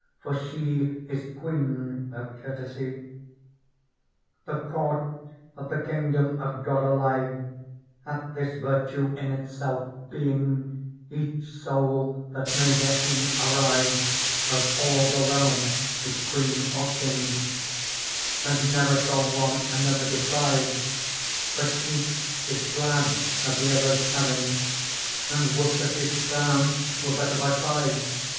For she is Queen of Courtesy. Digitized by Google 20 PEARL "The court of the kingdom of God Alive Hath this virtue in itself being, —^ Each soul that may therein arrive •^ Of all the realm is queen or king ;^^ J And never shall one another deprive, J But each is glad of the other's having, And would that his crown were better by five.